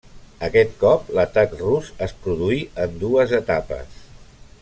Aquest cop, l'atac rus es produí en dues etapes.